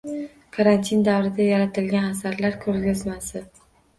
Karantin davrida yaratilgan asarlar koʻrgazmasi